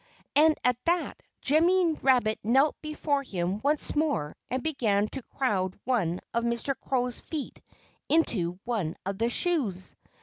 And at that Jimmy Rabbit knelt before him once more and began to crowd one of Mr. Crow's feet into one of the shoes.